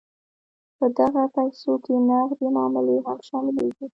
په دغه پیسو کې نغدې معاملې هم شاملیږي.